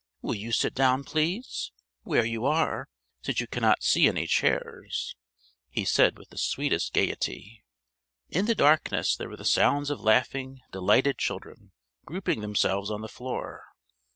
Will you sit down, please? Where you are, since you cannot see any chairs," he said with the sweetest gayety. In the darkness there were the sounds of laughing delighted children grouping themselves on the floor.